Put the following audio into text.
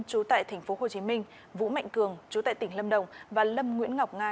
trú tại tp hcm vũ mạnh cường chú tại tỉnh lâm đồng và lâm nguyễn ngọc nga